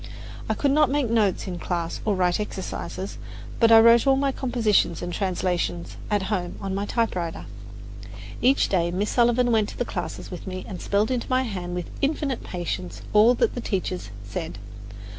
I could not make notes in class or write exercises; but I wrote all my compositions and translations at home on my typewriter. Each day Miss Sullivan went to the classes with me and spelled into my hand with infinite patience all that the teachers said.